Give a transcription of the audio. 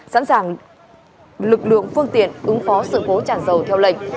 sẵn sàng lực lượng phương tiện ứng phó sự cố tràn dầu theo lệnh